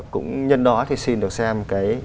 cũng nhân đó thì xin được xem cái